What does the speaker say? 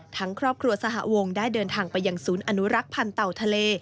ครอบครัวสหวงได้เดินทางไปยังศูนย์อนุรักษ์พันธ์เต่าทะเล